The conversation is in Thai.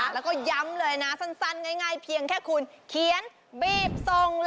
แล้วก็ย้ำเลยนะง่ายเพียงแค่คืน